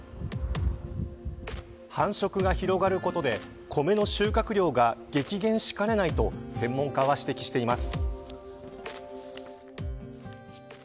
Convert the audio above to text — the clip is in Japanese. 繁殖が広がることで米の収穫量が激減しかねないと専門家は指摘しています。